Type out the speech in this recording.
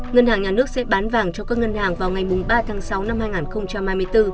ngân hàng nhà nước sẽ bán vàng cho các ngân hàng vào ngày ba tháng sáu năm hai nghìn hai mươi bốn